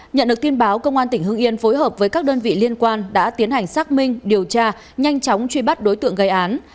nhận được tin báo công an tỉnh hưng yên phối hợp với các đơn vị liên quan đã tiến hành xác minh điều tra nhanh chóng truy bắt đối tượng gây án